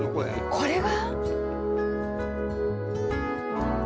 これが？